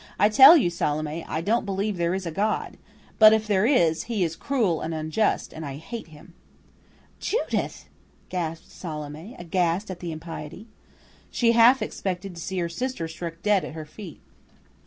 "I tell you, Salome, I don't believe there is a God. But, if there is, He is cruel and unjust, and I hate Him." "Judith!" gasped Salome, aghast at the impiety. She half expected to see her sister struck dead at her feet.